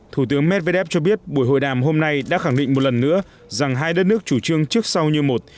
thủ tướng medvedev cho biết buổi hội đàm hôm nay đã khẳng định một lần nữa rằng hai đất nước chủ trương trước sau như một